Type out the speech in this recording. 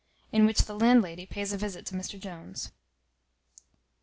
In which the landlady pays a visit to Mr Jones.